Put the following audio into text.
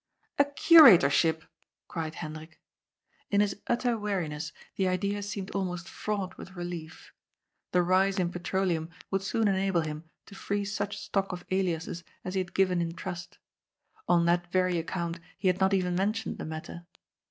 "A curatorship!" cried Hendrik. In his utter weari ness the idea seemed almost fraught with relief. The rise in petroleum would soon enable him to free such stock of Elias's as he had given in trust. On that very account he had not even mentioned the matter.